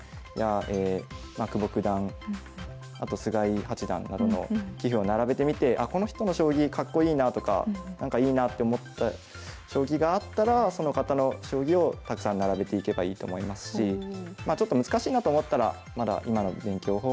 飛車党の方だったらなどの棋譜を並べてみてあこの人の将棋かっこいいなとかなんかいいなって思った将棋があったらその方の将棋をたくさん並べていけばいいと思いますしちょっと難しいなと思ったらまだ今の勉強法を継続されても良いと思います。